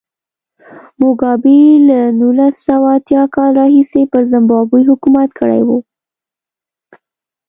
موګابي له نولس سوه اتیا کال راهیسې پر زیمبابوې حکومت کړی و.